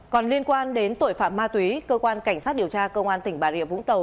còn liên quan đến tội phạm ma túy cơ quan cảnh sát điều tra công an tỉnh bà rịa vũng tàu